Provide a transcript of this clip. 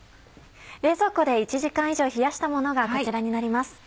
冷蔵庫で１時間以上冷やしたものがこちらになります。